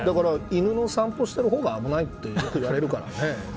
犬の散歩してる方が危ないってよく言われますからね。